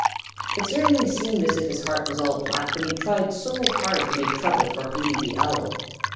It certainly seemed as if his heart was all black when he tried so hard to make trouble for Hooty the Owl.